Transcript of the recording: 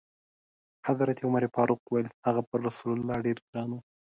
حضرت عمر فاروق وویل: هغه پر رسول الله ډېر ګران و.